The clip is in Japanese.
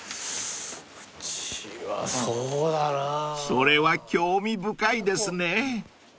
［それは興味深いですね］